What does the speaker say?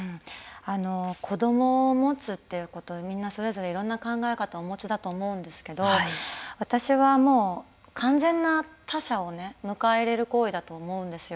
子どもを持つということにみんなそれぞれいろんな考え方をお持ちだと思うんですけれども私は、もう完全な他者を迎える行為だと思うんですよ。